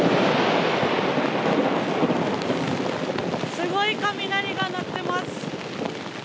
すごい雷が鳴っています。